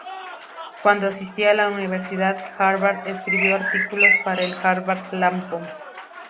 Cuando asistía a la Universidad Harvard escribió artículos para el "Harvard Lampoon".